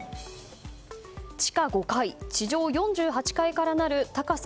地下５階、地上４８階からなる高さ